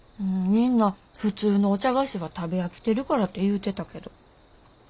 「みんな普通のお茶菓子は食べ飽きてるから」て言うてたけど。